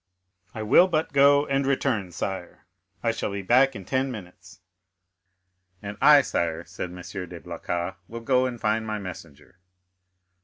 "I will but go and return, sire; I shall be back in ten minutes." "And I, sire," said M. de Blacas, "will go and find my messenger."